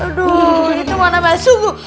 aduh ini mana bahaya subuh